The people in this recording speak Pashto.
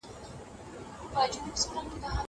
زه هره ورځ د کتابتوننۍ سره خبري کوم.